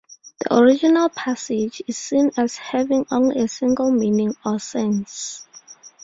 The original passage is seen as having only a single meaning or sense.